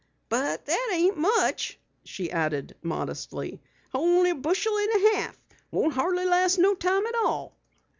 "But that ain't much," she added modestly. "Only a bushel and a half. Won't hardly last no time at all."